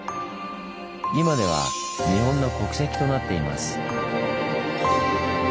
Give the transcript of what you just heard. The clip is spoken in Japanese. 今では日本の国石となっています。